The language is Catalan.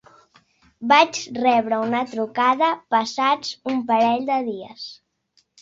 Vaig rebre una trucada passats un parell de dies.